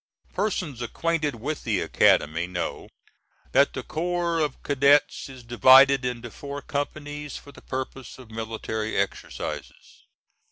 Persons acquainted with the Academy know that the corps of cadets is divided into four companies for the purpose of military exercises.